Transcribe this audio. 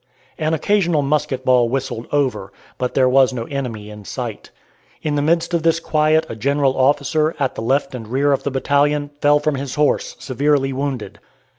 An occasional musket ball whistled over, but there was no enemy in sight. In the midst of this quiet a general officer, at the left and rear of the battalion, fell from his horse, severely wounded.